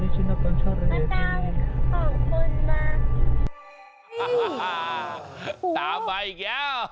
นี่ลูกเห็นจริงหรือแนี่ย